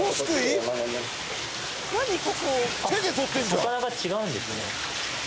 魚が違うんですね。